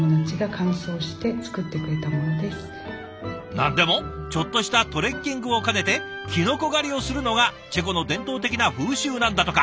何でもちょっとしたトレッキングを兼ねてきのこ狩りをするのがチェコの伝統的な風習なんだとか。